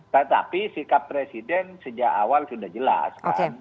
tetapi sikap presiden sejak awal sudah jelas kan